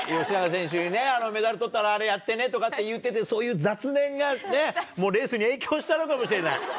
吉永選手にね、メダルとったら、あれやってねとか言って、そういう雑念がね、もうレースに影響したのかもしれない。